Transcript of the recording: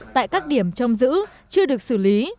tại các điểm trông giữ chưa được xử lý